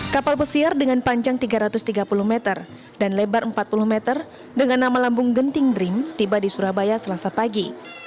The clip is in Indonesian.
kapal pesiar dengan panjang tiga ratus tiga puluh meter dan lebar empat puluh meter dengan nama lambung genting dream tiba di surabaya selasa pagi